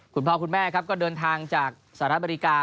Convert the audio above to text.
คุณพ่อคุณแม่ครับก็เดินทางจากสหรัฐอเมริกา